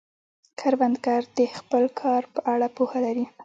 کروندګر د خپل کار په اړه پوهه لري